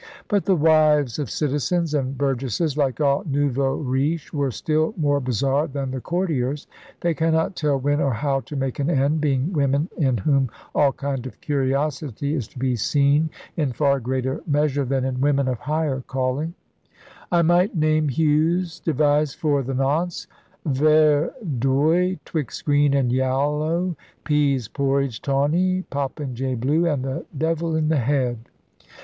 But the wives of * citizens and burgesses, ' like all nouveaux riches, were still more bizarre than the courtiers. 'They cannot tell when or how to make an end, being women in whom all kind of curiosity is to be seen in far greater measure than in women of higher calling. 70 ELIZABETHAN SEA DOGS I might name hues devised for the nonce, ver d'oye 'twixt green and y allow, peas porridge tawny, popinjay blue, and the Devil in the head.